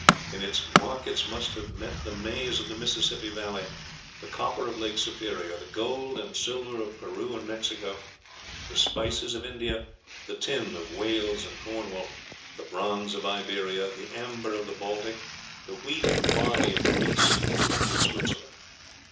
In its markets must have met the maize of the Mississippi Valley, the copper of Lake Superior, the gold and silver of Peru and Mexico, the spices of India, the tin of Wales and Cornwall, the bronze of Iberia, the amber of the Baltic, the wheat and barley of Greece, Italy, and Switzerland.